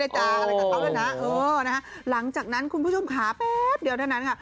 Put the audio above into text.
กับเขาแล้วนะเออนะฮะหลังจากนั้นคุณผู้ชมขาแป๊บเดี๋ยวด้านนั้นค่ะ